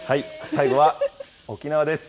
最後は沖縄です。